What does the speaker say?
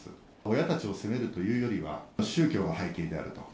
親たちを責めるというよりは、宗教の背景であると。